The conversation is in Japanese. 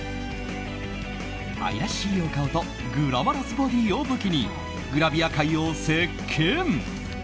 愛らしいお顔とグラマラスボディーを武器にグラビア界を席巻。